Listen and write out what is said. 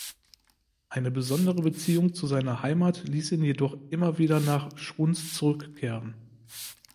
Eine besondere Beziehung zu seiner Heimat ließ ihn jedoch immer wieder nach Schruns zurückkehren.